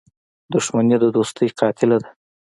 • دښمني د دوستۍ قاتله ده.